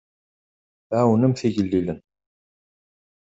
Tɛawnemt igellilen.